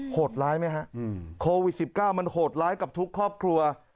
โหดร้ายไหมฮะโควิด๑๙มันโหดร้ายกับทุกครอบครัว